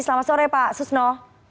selamat sore pak susno